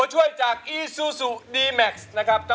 ไม่ใช่ครับ